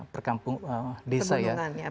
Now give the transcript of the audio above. perkampungan desa ya